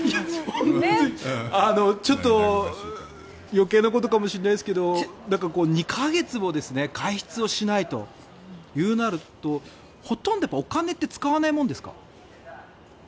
ちょっと余計なことかもしれませんが２か月も外出をしないとなるとほとんどお金って使わないものですか？